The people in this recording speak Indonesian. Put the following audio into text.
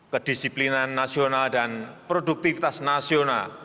kedisiplinan nasional dan produktivitas nasional